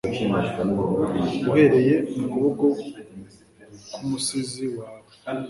uhereye mu kuboko k'umusizi wawe